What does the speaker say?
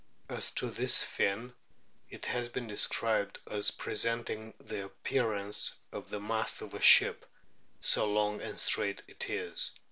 As to this fin, it has been described as presenting the appearance of the mast of a ship, so long and straight is it.